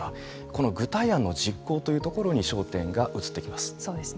この具体案の実行というところに焦点が移ってきます。